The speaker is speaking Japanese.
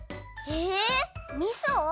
えみそ！？